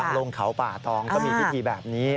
ลงเขาป่าตองก็มีพิธีแบบนี้